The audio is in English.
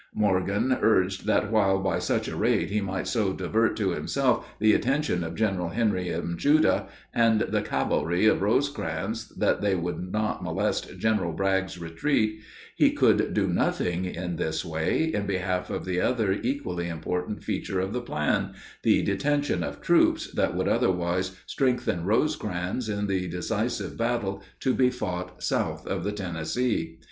Morgan urged that while by such a raid he might so divert to himself the attention of General Henry M. Judah and the cavalry of Rosecrans that they would not molest General Bragg's retreat, he could do nothing, in this way, in behalf of the other equally important feature of the plan the detention of troops that would otherwise strengthen Rosecrans in the decisive battle to be fought south of the Tennessee.